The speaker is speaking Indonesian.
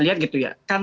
lihat gitu ya kan